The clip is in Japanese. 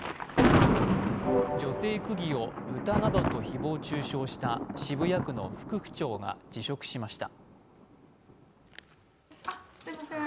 女性区議をブタなどと誹謗中傷した渋谷区の副区長が辞職しました。